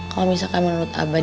kalo misalkan menurut abah dia